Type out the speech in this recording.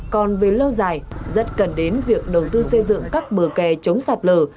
còn về lâu dài rất cần đến việc đầu tư xây dựng các bờ kè chống sạt lở